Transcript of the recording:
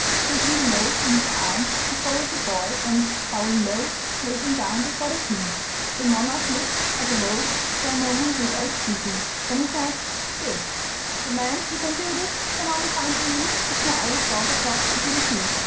Taking the loaves in his arm he followed the boy, and, bowing low, laid them down before the king. The monarch looked at the loaves for a moment without speaking, then he said: 'Good. The man who can do this can also find the ring which my eldest daughter dropped into the sea.